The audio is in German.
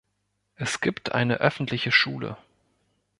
Es gibt eine öffentliche Schule.